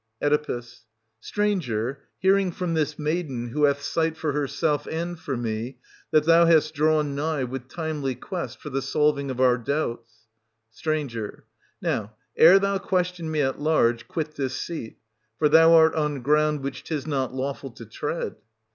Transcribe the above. Oe. Stranger, hearing from this maiden, who hath sight for herself and for me, that thou hast drawn nigh with timely quest for the solving of our doubts — St. Now, ere thou question me at large, quit this seat; for thou art on ground which 'tis not lawful to tread.